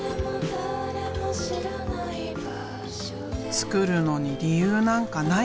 作るのに理由なんかない。